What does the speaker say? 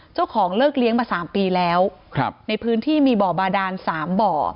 เจ้าของเลิกเลี้ยงมา๓ปีแล้วในพื้นที่มีบ่อบาดาน๓บ่อ